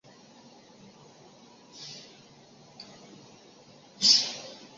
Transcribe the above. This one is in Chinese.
卡辛巴迪登特罗是巴西帕拉伊巴州的一个市镇。